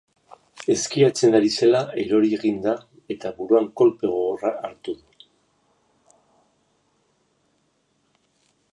Eskiatzen ari zela erori egin da eta buruan kolpe gogorra hartu du.